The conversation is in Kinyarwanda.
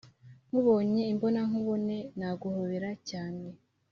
nkubonye imbona nkubone naguhobera cyane.